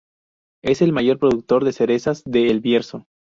Es el mayor productor de cerezas de El Bierzo.